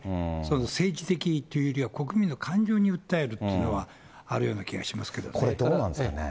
政治的にというよりは国民の感情に訴えるというのはあるような気これどうなんですかね。